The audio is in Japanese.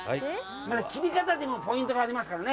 切り方にもポイントがありますからね。